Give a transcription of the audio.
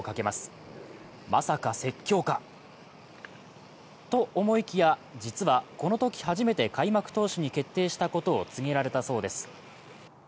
まさか説教か？と思いきや、実はこのとき初めて開幕投手に決定したことを告げられたそうです。